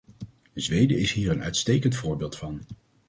Zweden is hier een uitstekend voorbeeld van.